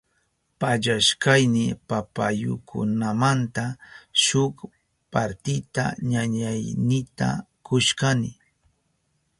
Pallashkayni papayukunamanta shuk partita ñañaynita kushkani.